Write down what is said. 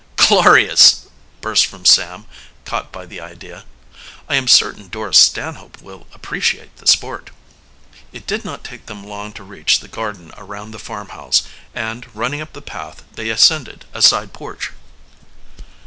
"Glorious!" burst from Sam, caught by the idea. "I am certain Dora Stanhope will appreciate the sport." It did not take them long to reach the garden around the farmhouse; and, running up the path, they ascended a side porch.